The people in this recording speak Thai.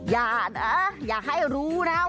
อย่านะอย่าให้รู้นะ